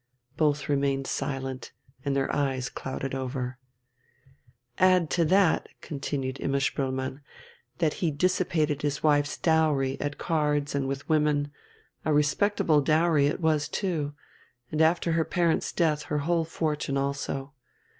Both remained silent, and their eyes clouded over. "Add to that," continued Imma Spoelmann, "that he dissipated his wife's dowry, at cards and with women a respectable dowry it was too and after her parents' death her whole fortune also.